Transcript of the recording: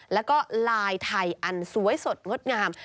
แล้วก็ลายไทยอันสวยสดงดงาม